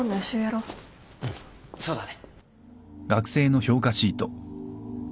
うんそうだね。